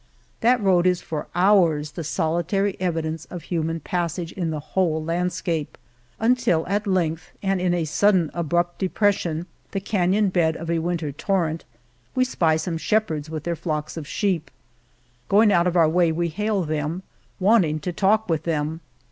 That road is for hours the solitary evidence of human pas sage in the whole landscape, until at length, in a suddenly abrupt depression, the canon bed of a winter torrent, we spy some shep herds with their flocks of sheep. Going out of our way we hail them, wanting to talk with them.